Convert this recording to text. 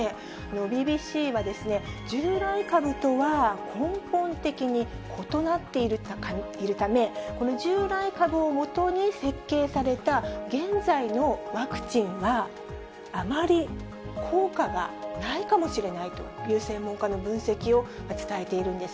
ＢＢＣは、従来株とは根本的に異なっているため、この従来株をもとに設計された現在のワクチンは、あまり効果がないかもしれないという専門家の分析を伝えているんです。